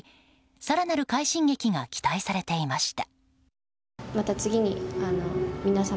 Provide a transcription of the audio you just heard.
更なる快進撃が期待されていました。